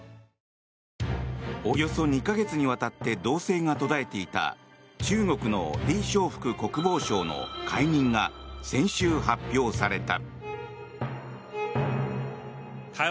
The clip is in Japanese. およそ２か月にわたって動静が途絶えていた中国のリ・ショウフク国防相の解任が先週、発表された。